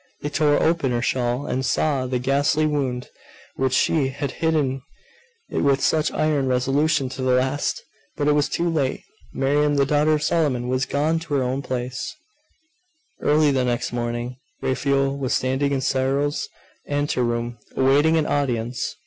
They tore open her shawl, and saw the ghastly wound, which she had hidden with such iron resolution to the last. But it was too late. Miriam the daughter of Solomon was gone to her own place. ............... Early the next morning, Raphael was standing in Cyril's anteroom, awaiting an audience.